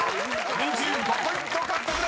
２５ポイント獲得です］